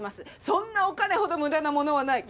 そんなお金ほど無駄なものはない。